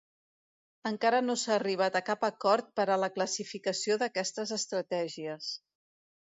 Encara no s'ha arribat a cap acord per a la classificació d'aquestes estratègies.